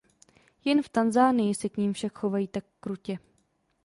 Jen v Tanzanii se k nim však chovají tak krutě.